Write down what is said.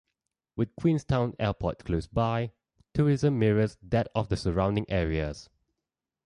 With Queenstown airport close by, tourism mirrors that of the surrounding areas.